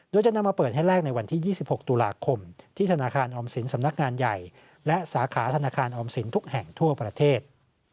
โดยจะนำมาเปิดให้แลกในวันที่๒๖ตุลาคมที่ธนาคารออมสินสำนักงานใหญ่และสาขาธนาคารออมสินทุกแห่งทั่วประเทศ